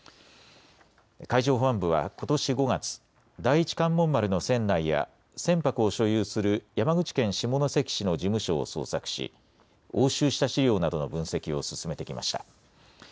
海上保安部はことし５月、第一関門丸の船内や船舶を所有する山口県下関市の事務所を捜索し押収した資料などの分析を進めてきました。